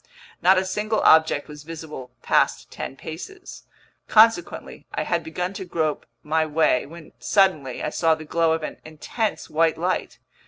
Not a single object was visible past ten paces. Consequently, I had begun to grope my way when suddenly I saw the glow of an intense white light.